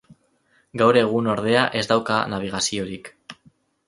Gaur egun ordea ez dauka nabigaziorik.